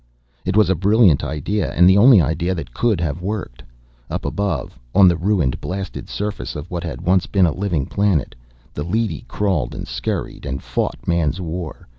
It was a brilliant idea and the only idea that could have worked. Up above, on the ruined, blasted surface of what had once been a living planet, the leady crawled and scurried, and fought Man's war.